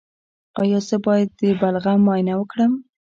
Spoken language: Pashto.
ایا زه باید د بلغم معاینه وکړم؟